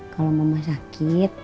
kalau mama sakit